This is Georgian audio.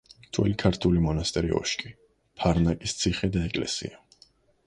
ძველი ქართული მონასტერი ოშკი, ფარნაკის ციხე და ეკლესია.